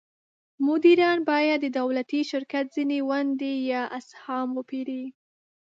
مدیران باید د دولتي شرکت ځینې ونډې یا اسهام وپیري.